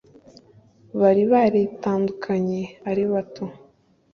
bari baretandukanye ari bato